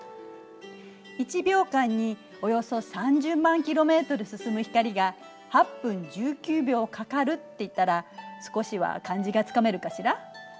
１秒間におよそ３０万ｋｍ進む光が８分１９秒かかるって言ったら少しは感じがつかめるかしら。